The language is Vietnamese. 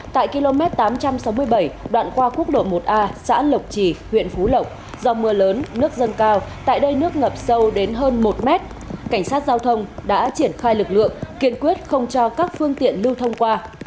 tại km tám trăm sáu mươi bảy đoạn qua quốc lộ một a xã lộc trì huyện phú lộc do mưa lớn nước dâng cao tại đây nước ngập sâu đến hơn một mét cảnh sát giao thông đã triển khai lực lượng kiên quyết không cho các phương tiện lưu thông qua